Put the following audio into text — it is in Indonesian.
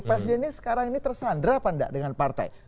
presidennya sekarang ini tersandra apa enggak dengan partai